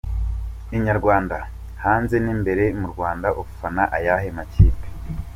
Inyarwanda: Hanze n’imbere mu Rwanda ufana ayahe makipe?.